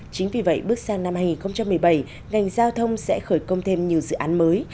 chính vì vậy bước sang năm hai nghìn một mươi bảy ngành giao thông sẽ khởi công thêm nhiều dự án mới